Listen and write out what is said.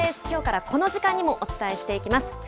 きょうからこの時間にもお伝えしていきます。